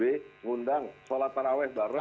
mengundang sholat paraweh baru